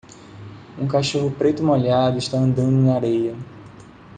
Um cachorro preto molhado está andando na areia.